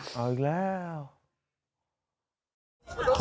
อีกแล้ว